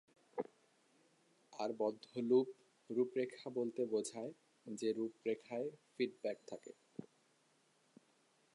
আর বদ্ধ লুপ রূপরেখা বলতে বোঝায় যে রূপরেখায় ফিডব্যাক থাকে।